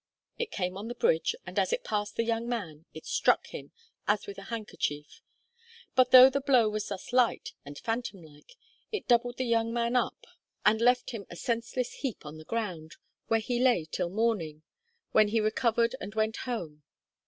It came on the bridge, and as it passed the young man it struck him, as with a handkerchief. But though the blow was thus light and phantom like, it doubled the young man up and left him a senseless heap on the ground, where he lay till morning, when he recovered and went home.